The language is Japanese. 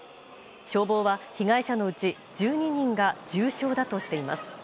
消防は被害者のうち１２人が重傷だとしています。